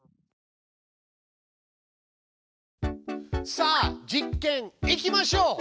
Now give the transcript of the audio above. さあ実験いきましょう！